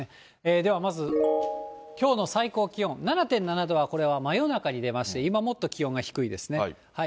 ではまず、きょうの最高気温７．７度は、これは真夜中に出まして、今もっと気温が低いですね。